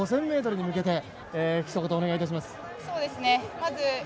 ５０００ｍに向けて、ひと言お願いいたします。